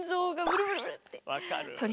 分かる。